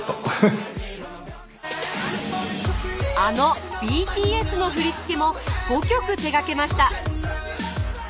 あのＢＴＳの振り付けも５曲手がけました。